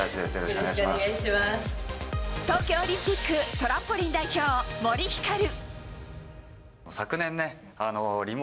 東京オリンピックトランポリン代表、森ひかる。